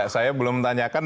saya belum tanyakan